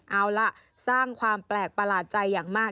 เอาล่ะสร้างความแปลกประหลาดใจอย่างมาก